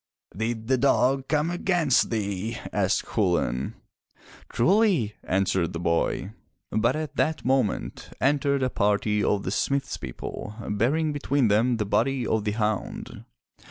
"Did the dog come against thee?*' asked Chulain. "Truly, answered the boy. But at that moment, entered a party of the smith's people, bearing between them the body of the hound.